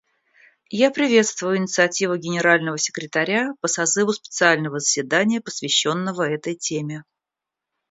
Я приветствую инициативу Генерального секретаря по созыву специального заседания, посвященного этой теме.